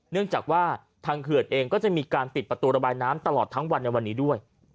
เนื่องจากว่าทางเขื่อนเองก็จะมีการปิดประตูระบายน้ำตลอดทั้งวันในวันนี้ด้วย